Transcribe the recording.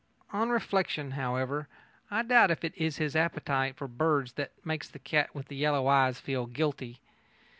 On reflection, however, I doubt if it is his appetite for birds that makes the cat with the yellow eyes feel guilty.